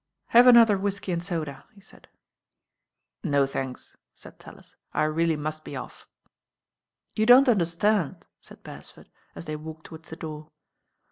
"Have another whisky and soda," he said. "No, thanks," said TaUis, "I really must be off." "You don't understand," said Beresford, as they walked towards the door.